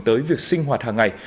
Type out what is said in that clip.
tới việc sinh hoạt hàng ngày